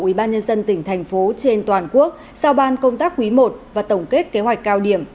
ubnd tỉnh thành phố trên toàn quốc sau ban công tác quý i và tổng kết kế hoạch cao điểm